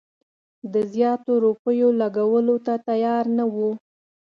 د زیاتو روپیو لګولو ته تیار نه وو.